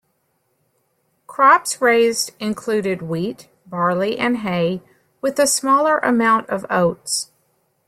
Crops raised included wheat, barley, and hay with a smaller amount of oats.